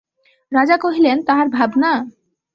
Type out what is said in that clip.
রাজা কহিলেন, তাহার ভাবনা?